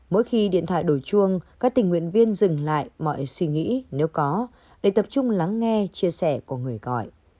mỗi khi điện thoại đổi chuông các tình nguyện viên dừng lại mọi suy nghĩ nếu có để tập trung lắng nghe chia sẻ của người gọi